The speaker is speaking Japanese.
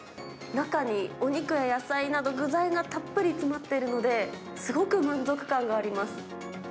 中にお肉や野菜など、具材がたっぷり詰まっているので、すごく満足感があります。